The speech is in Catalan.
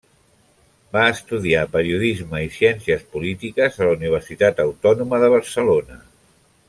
Va estudiar Periodisme i Ciències polítiques a la Universitat Autònoma de Barcelona.